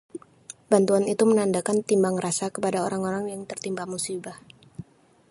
bantuan itu menandakan timbang rasa kepada orang-orang yang tertimpa musibah